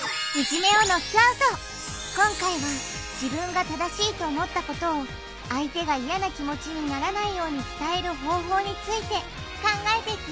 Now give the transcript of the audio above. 今回は自分が正しいと思ったことを相手が嫌な気持ちにならないように伝える方法について考えていくよ